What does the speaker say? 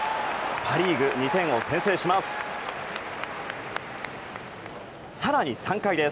パ・リーグ、２点を先制します。